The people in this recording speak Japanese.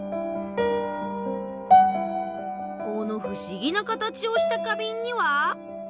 このふしぎな形をした花瓶には？